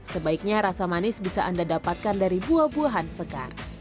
sebaiknya rasa manis bisa anda dapatkan dari minyak